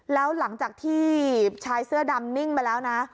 แล้วหลังจากที่ชายเสื้อดำนิ่งไปแล้วนะ